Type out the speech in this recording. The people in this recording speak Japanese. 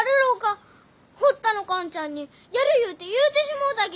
堀田の寛ちゃんにやるゆうて言うてしもうたき！